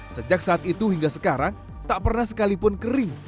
sejak saat itu hingga sekarang tak pernah sekalipun kering